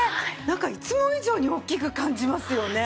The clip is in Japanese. なんかいつも以上に大きく感じますよね。